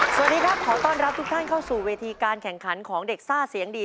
สวัสดีครับขอต้อนรับทุกท่านเข้าสู่เวทีการแข่งขันของเด็กซ่าเสียงดี